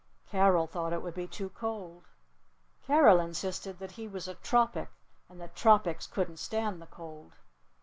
Carol thought it would be too cold. Carol insisted that he was a tropic. And that tropics couldn't stand the cold.